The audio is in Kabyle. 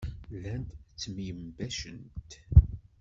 Llant ttemyenbacent.